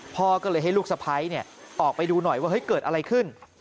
พ่อก็เลยให้ลูกสะพ้ายออกไปดูหน่อยว่าเฮ้ยเกิดอะไรขึ้น